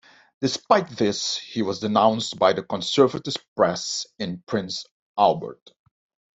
Despite this, he was denounced by the Conservative press in Prince Albert.